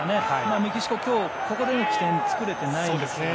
メキシコは今日、ここでの起点を作れてないですね。